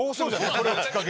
これをきっかけに。